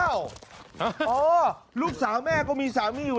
การนอนไม่จำเป็นต้องมีอะไรกัน